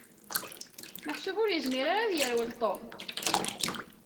Meḥsub ur yezmir ara ad yerwel Tom.